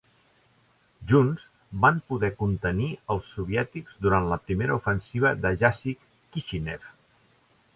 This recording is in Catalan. Junts, van poder contenir els soviètics durant la Primera ofensiva de Jassy-Kishinev.